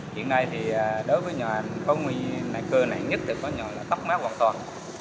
hiện nay thì đối với nhòa công nghi này cơ này nhất là có nhòa tóc má hoàn toàn